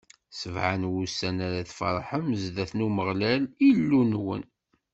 Sebɛa n wussan ara tfeṛḥem zdat n Umeɣlal, Illu-nwen.